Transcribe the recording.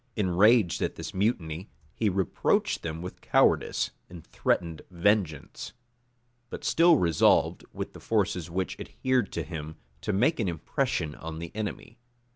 Enraged at this mutiny, he reproached them with cowardice, and threatened vengeance; but still resolved, with the forces which adhered to him, to make an impression on the enemy.